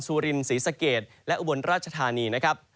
สุรินศรีสะเกดและอุบลราชธานีนะครับ